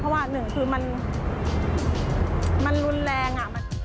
เพราะว่าหนึ่งคือมันรุนแรง